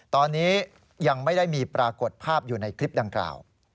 ตอนนี้ยังไม่ได้มีปรากฏภาพอยู่ในคลิปดังกล่าว